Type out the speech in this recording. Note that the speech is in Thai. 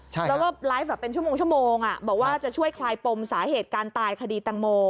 แล้วก็ไลฟ์แบบเป็นชั่วโมงบอกว่าจะช่วยคลายปมสาเหตุการตายคดีตังโม